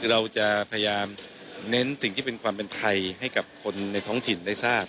เราจะพยายามเน้นสิ่งที่เป็นความเป็นไทยให้กับคนในท้องถิ่นได้ทราบ